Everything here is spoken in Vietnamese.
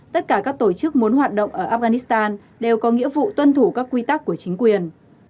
tất cả các tổ chức muốn hoạt động ở afghanistan đều có nghĩa vụ tuân thủ các quy tắc của chính quyền